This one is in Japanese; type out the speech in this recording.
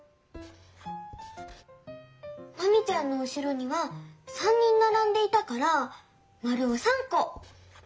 マミちゃんのうしろには３人ならんでいたからまるを３こ。